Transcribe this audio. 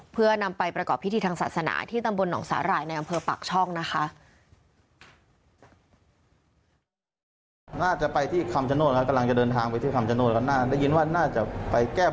เพื่อนำไปประกอบพิธีทางศาสนาที่ตำบลหนองสาหร่ายในอำเภอปากช่องนะคะ